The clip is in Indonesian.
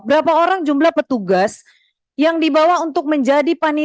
berapa orang jumlah petugas yang dibawa untuk menjadi panitia